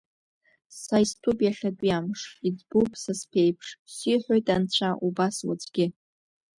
Са истәуп иахьатәи амш, иӡбуп са сԥеиԥш, сиҳәоит Анцәа, убас уаҵәгьы…